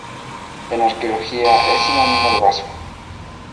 En arqueología es sinónimo de vaso.